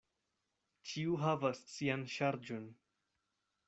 Ĉiu havas sian ŝarĝon.